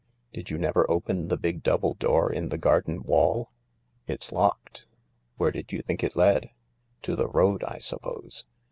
Did you never open the big double door in the garden wall ?"" It's locked." " Where did you think it led ?" "To the road, I suppose.